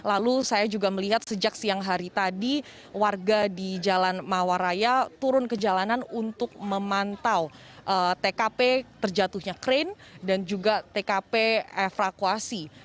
lalu saya juga melihat sejak siang hari tadi warga di jalan mawaraya turun ke jalanan untuk memantau tkp terjatuhnya krain dan juga tkp evakuasi